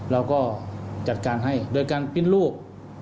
เราก็จัดการให้โดยการปิ้นรูป